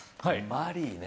マリーね。